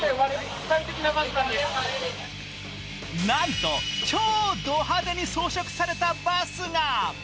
なんとちょうど派手に装飾されたバスが。